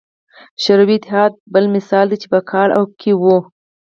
شوروي اتحاد بل مثال دی چې په کال او کې وو.